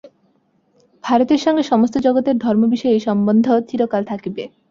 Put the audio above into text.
ভারতের সঙ্গে সমস্ত জগতের ধর্মবিষয়ে এই সম্বন্ধ চিরকাল থাকবে।